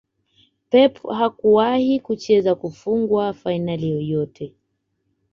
Pep hakuwahi kucheza kufungwa fainali yoyote